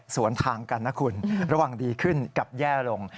สวนทางกันนะคุณระวังดีขึ้นกับแย่ลง